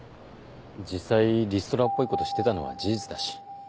実際リストラっぽいことしてたのは事実だし。